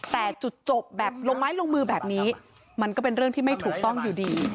แต่จุดจบแบบลงไม้ลงมือแบบนี้มันก็เป็นเรื่องที่ไม่ถูกต้องอยู่ดี